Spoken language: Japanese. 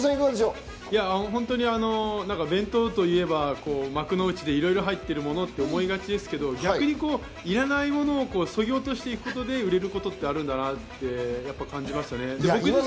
伝統といえば、幕の内とかいろいろ入っているものと思いがちですけど、逆にいらないものをそぎ落とすことで売れるということもあるんだなと感じましたね。